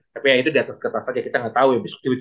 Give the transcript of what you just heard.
tapi ya itu di atas kertas aja kita gak tau ya